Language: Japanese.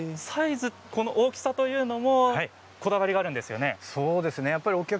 大きさというのもこだわりがあるんですよね。